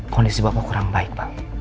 kondisi bapak kurang baik pak